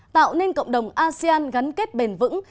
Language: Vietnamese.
tạo nên cộng đồng asean gắn kết bền vững